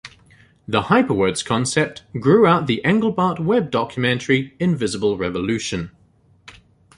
The Hyperwords concept grew out the Engelbart web-documentary Invisible Revolution.